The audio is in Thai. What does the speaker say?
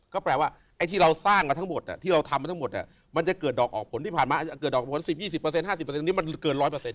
ก็แปลว่าไอ้ที่เราสร้างกันทั้งหมดอ่ะที่เราทำกันทั้งหมดอ่ะมันจะเกิดดอกออกผลที่ผ่านมาจะเกิดดอกออกผลสิบยี่สิบเปอร์เซ็นต์ห้าสิบเปอร์เซ็นต์อันนี้มันเกินร้อยเปอร์เซ็นต์